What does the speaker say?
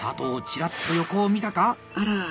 チラッと横を見たか⁉あら。